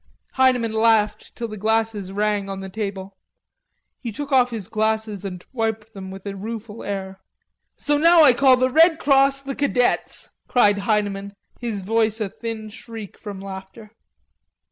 Heineman laughed till the glasses rang on the table. He took off his glasses and wiped them with a rueful air. "So now I call the Red Cross the Cadets!" cried Heineman, his voice a thin shriek from laughter.